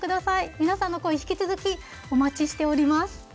皆さんの声、引き続きお待ちしております。